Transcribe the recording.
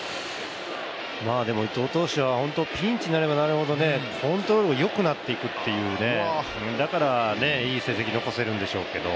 まあでも伊藤投手はピンチになればなるほどコントロール良くなっていくというだからいい成績残せるでしょうけど。